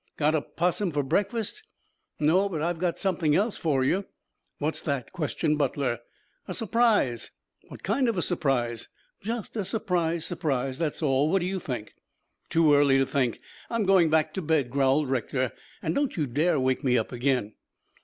Got a 'possum for breakfast?" "No, but I've got something else for you." "What's that?" questioned Butler. "A surprise." "What kind of a surprise?" "Just a surprise surprise, that's all. What do you think?" "Too early to think. I'm going back to bed," growled Rector. "And don't you dare wake me up again."